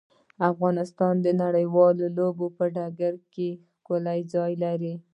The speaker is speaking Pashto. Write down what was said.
افغانستان د نړیوالو لوبو په ډګر کې ښکلی ځای لري.